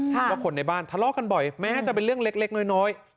ว่าคนในบ้านทะเลาะกันบ่อยแม้จะเป็นเรื่องเล็กน้อย